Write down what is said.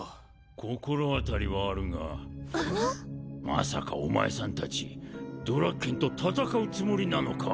心当たりはあるがまさかお前さんたちドラッケンと戦うつもりなのか？